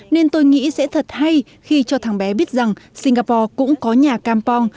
nên tôi nghĩ sẽ thật hay khi cho thằng bé biết rằng singapore cũng có nhà campong